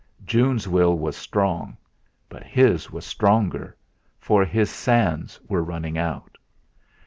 June's will was strong, but his was stronger, for his sands were running out.